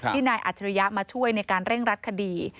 นายอัจฉริยะมาช่วยในการเร่งรัดคดี